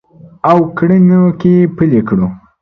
او کړنو کې پلي کړو